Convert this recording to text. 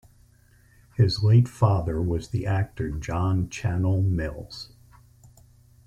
His late father was the actor John Channell Mills.